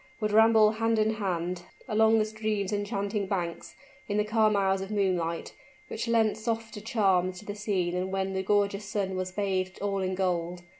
would ramble hand in hand, along the stream's enchanting banks, in the calm hours of moonlight, which lent softer charms to the scene than when the gorgeous sun was bathed all in gold.